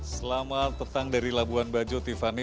selamat petang dari labuan bajo tiffany